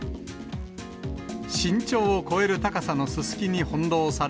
身長を超える高さのススキに翻弄され。